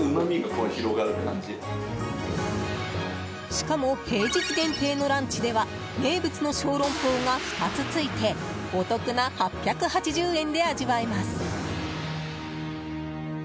しかも平日限定のランチでは名物の小籠包が２つついてお得な８８０円で味わえます。